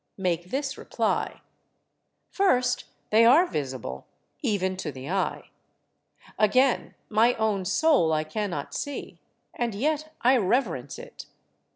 make this reply: First, they are visible, even to the eye. Again, my own soul I cannot see, and yet I reverence it.